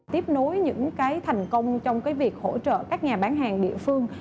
tiếp nối những cái thành công trong việc hỗ trợ các nhà bán hàng địa phương